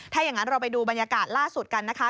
ถ้าอย่างนั้นเราไปดูบรรยากาศล่าสุดกันนะคะ